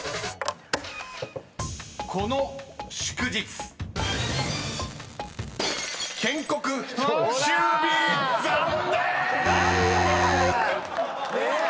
⁉これ！